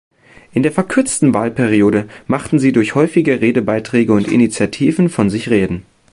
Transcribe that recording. In der verkürzten Wahlperiode machte sie durch häufige Redebeiträge und Initiativen von sich reden.